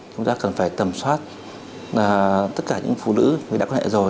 chúng ta cần phải tầm soát tất cả những phụ nữ đã quan hệ rồi